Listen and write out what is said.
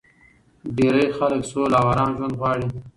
ډېری خلک سوله او ارام ژوند غواړي